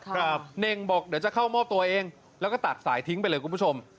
เน่งบอกเดี๋ยวจะเข้ามอบตัวเองแล้วก็ตัดสายทิ้งไปเลยคุณผู้ชม